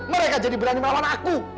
mereka jadi berani melawan aku